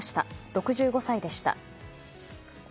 ６５歳でした。